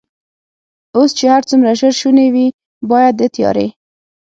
اوس چې هر څومره ژر شونې وي، باید د تیارې.